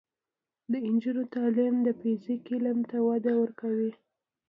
د نجونو تعلیم د فزیک علم ته وده ورکوي.